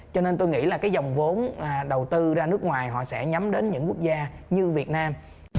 cho nên tôi nghĩ là cái dòng vốn đầu tư ra nước ngoài họ sẽ nhắm đến những quốc gia như việt nam